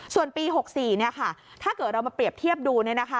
ส่วนปี๖๔เนี่ยค่ะถ้าเกิดเรามาเปรียบเทียบดูนะคะ